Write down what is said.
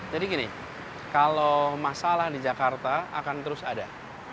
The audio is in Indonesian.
jadi gini kalau masalah di jakarta akan terus ada